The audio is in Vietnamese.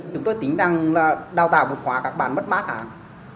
chúng tôi tính rằng là đào tạo một khóa các bạn mất ba tháng